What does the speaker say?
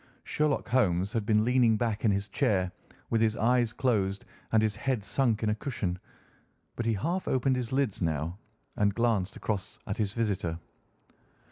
Sherlock Holmes had been leaning back in his chair with his eyes closed and his head sunk in a cushion, but he half opened his lids now and glanced across at his visitor.